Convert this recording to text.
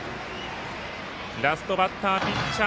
ラストバッターピッチャー